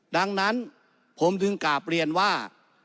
ดังนั้นผมจึงกราบเรียนว่า